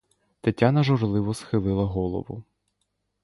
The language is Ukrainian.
Тетяна журливо схилила голову.